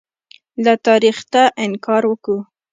له تاریخیته انکار وکوو.